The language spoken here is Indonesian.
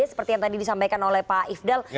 seperti yang tadi disampaikan oleh pak ifdal